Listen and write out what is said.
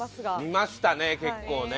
見ましたね結構ね。